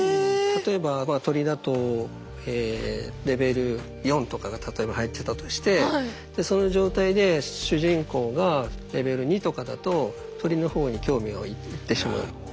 例えばまあ鳥だとえレベル４とかが例えば入ってたとしてその状態で主人公がレベル２とかだと鳥の方に興味がいってしまう。